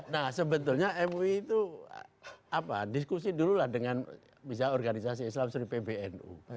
nah sebetulnya mui itu diskusi dulu lah dengan misalnya organisasi islam seri pbnu